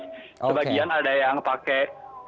sebagian ada yang pakai